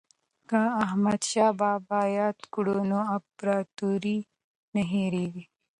که احمد شاه بابا یاد کړو نو امپراتوري نه هیریږي.